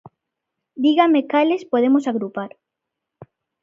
Dígame cales podemos agrupar.